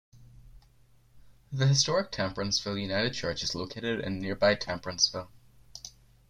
The historic Temperanceville United Church is located in nearby Temperanceville.